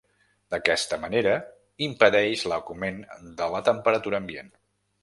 D'aquesta manera impedeix l'augment de la temperatura ambient.